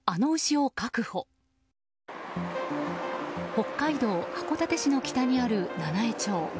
北海道函館市の北にある七飯町。